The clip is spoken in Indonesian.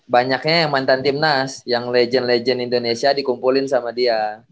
banyaknya yang mantan tim nas yang legend legend indonesia dikumpulin sama dia